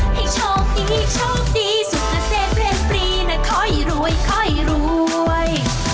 ให้โชคดีโชคดีสุขเส้นเปลี่ยนปรีนะคอยรวยคอยรวย